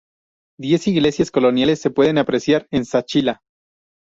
Diez iglesias coloniales, se pueden apreciar en Zaachila.